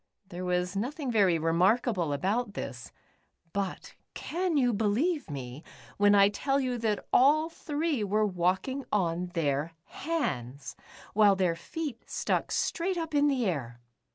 There was nothing very remarkable about this, but can you believe me,, w^hen I tell you that all three were walking on. their hands, while their feet stuck straight up in the air